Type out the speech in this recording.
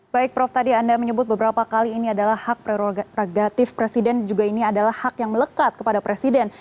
baik prof tadi anda menyebut beberapa kali ini adalah hak prerogatif presiden juga ini adalah hak yang melekat kepada presiden